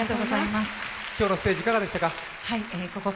今日のステージいかがでしたか？